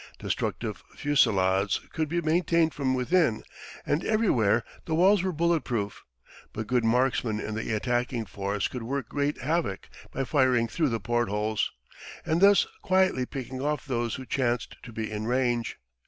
Destructive fusillades could be maintained from within, and everywhere the walls were bullet proof; but good marksmen in the attacking force could work great havoc by firing through the port holes, and thus quietly picking off those who chanced to be in range.